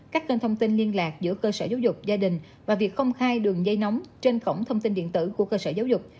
các kênh thông tin liên lạc giữa cơ sở giáo dục gia đình và việc công khai đường dây nóng trên cổng thông tin điện tử của cơ sở giáo dục